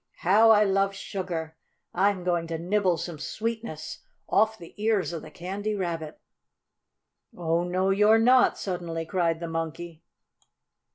"How I love sugar! I'm going to nibble some sweetness off the ears of the Candy Rabbit." "Oh, no you're not!" suddenly cried the Monkey.